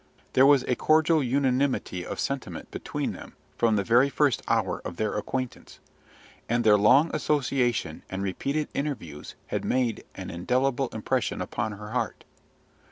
There was a cordial unanimity of sentiment between them from the very first hour of their acquaintance, and their long association and repeated interviews had made an indelible impression upon her heart.